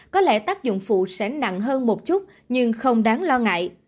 có lẽ tác dụng phụ sẽ nặng hơn một chút nhưng không đáng lo ngại